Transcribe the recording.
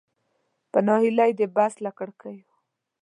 په نهیلۍ د بس له کړکیو.